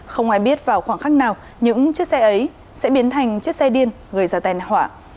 không ai biết vào khoảng khắc nào những chiếc xe ấy sẽ biến thành chiếc xe điên gây ra tai nạn hỏa